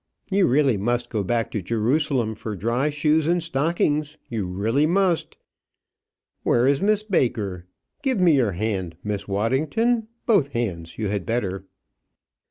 You really must go back to Jerusalem for dry shoes and stockings; you really must. Where is Miss Baker? Give me your hand, Miss Waddington; both hands, you had better."